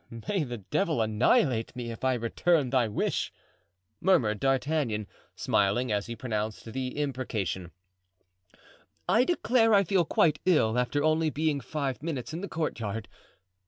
"May the devil annihilate me if I return thy wish!" murmured D'Artagnan, smiling as he pronounced the imprecation; "I declare I feel quite ill after only being five minutes in the courtyard.